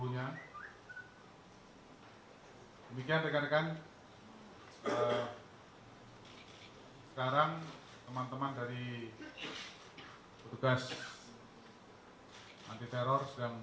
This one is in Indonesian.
tetapi begini bapak kapolri tadi kebetulan saya mendapatkan arahan dari video